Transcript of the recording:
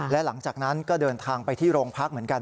และหลังจากนั้นก็เดินทางไปที่โรงพักเหมือนกัน